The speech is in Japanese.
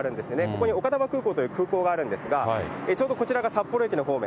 ここに丘珠空港という空港があるんですが、ちょうどこちらが札幌駅の方面。